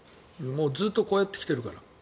もうずっとこうやってきているから。